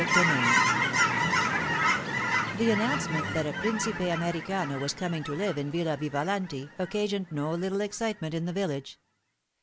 CHAPTER IV THE announcement that a principe Americano was coming to live in Villa Vivalanti occasioned no little excitement in the village.